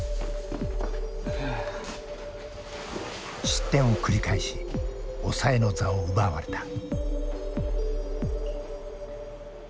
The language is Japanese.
失点を繰り返し抑えの座を奪われた。